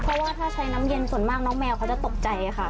เพราะว่าถ้าใช้น้ำเย็นส่วนมากน้องแมวเขาจะตกใจค่ะ